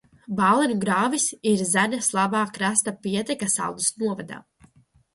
Bāliņu grāvis ir Zaņas labā krasta pieteka Saldus novadā.